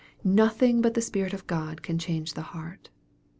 Nothing but the Spirit of God can change the heart.